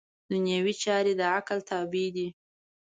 دنیوي چارې د عقل تابع دي.